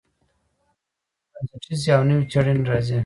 په دې کې بنسټیزې او نوې څیړنې راځي.